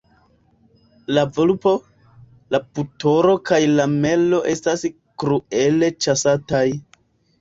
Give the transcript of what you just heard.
La vulpo, la putoro kaj la melo estas kruele ĉasataj.